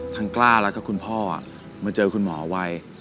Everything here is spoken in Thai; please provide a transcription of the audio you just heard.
ทั้งกล้าแล้วก็คุณพ่อมาเจอคุณหมอไว